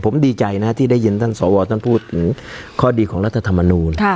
ผมดีใจนะที่ได้ยินท่านสวท่านพูดถึงข้อดีของรัฐธรรมนูล